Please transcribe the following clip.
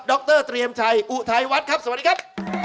รเตรียมชัยอุทัยวัฒน์ครับสวัสดีครับ